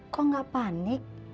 kok gak panik